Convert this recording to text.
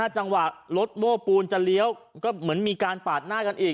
จังหวะรถโม้ปูนจะเลี้ยวก็เหมือนมีการปาดหน้ากันอีก